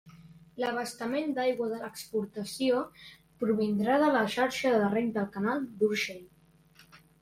L'abastament d'aigua de l'explotació provindrà de la xarxa de reg del canal d'Urgell.